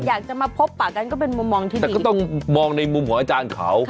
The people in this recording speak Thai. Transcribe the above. อยากจะมาพบปากกันก็เป็นมุมมองที่ดีแต่ก็ต้องมองในมุมของอาจารย์เขา